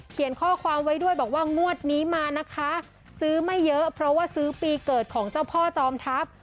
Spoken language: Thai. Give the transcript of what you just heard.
ข้อความไว้ด้วยบอกว่างวดนี้มานะคะซื้อไม่เยอะเพราะว่าซื้อปีเกิดของเจ้าพ่อจอมทัพ